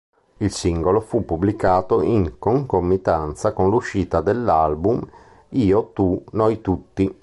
Il singolo fu pubblicato in concomitanza con l'uscita dell'album "Io tu noi tutti".